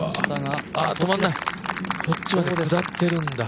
こっちは下ってるんだ。